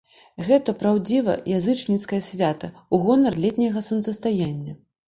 Гэта праўдзіва язычніцкае свята ў гонар летняга сонцастаяння.